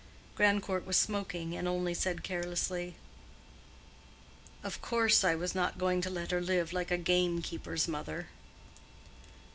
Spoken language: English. Grandcourt was smoking, and only said carelessly, "Of course I was not going to let her live like a gamekeeper's mother."